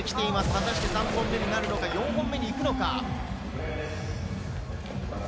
果たして３本目となるのか、４本目に行くのか。